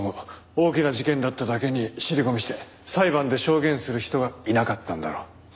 大きな事件だっただけに尻込みして裁判で証言する人がいなかったんだろう。